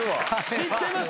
・知ってます。